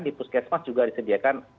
di puskesmas juga disediakan